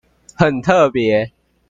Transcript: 很特別